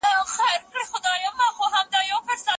ښوونځی د ټولني لپاره با مسؤولیته وګړي روزي.